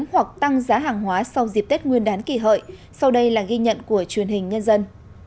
hoặc tăng giá hàng hóa sau dịp tết nguyên đán kỳ hợi sau đây là ghi nhận của truyền hình nhân dân